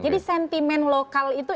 jadi sentimen lokal itu